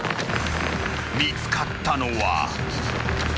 ［見つかったのは］